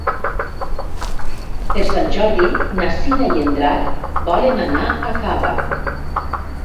Per Sant Jordi na Cira i en Drac volen anar a Cava.